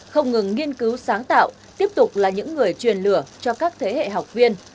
không ngừng nghiên cứu sáng tạo tiếp tục là những người truyền lửa cho các thế hệ học viên